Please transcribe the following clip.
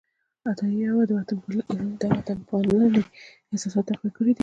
عطايي د وطنپالنې احساسات تقویه کړي دي.